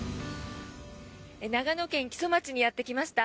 長野県木曽町にやってきました。